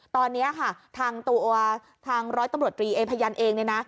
ตอนนี้ค่ะทางตัวทางร้อยตำรวจตรีเอพยันเองเนี่ยนะ